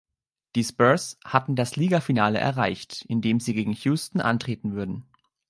Die Spurs hatten das Ligafinale erreicht, in dem sie gegen Houston antreten würden.